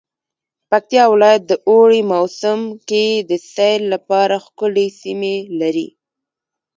پکتيا ولايت د اوړی موسم کی د سیل لپاره ښکلی سیمې لری